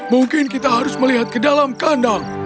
mungkin kita harus melihat ke dalam kandang